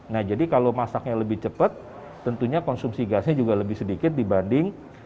nah jadi kalau masaknya lebih cepat tentunya konsumsi gasnya juga lebih sedikit dibanding